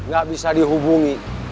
gak bisa dihubungi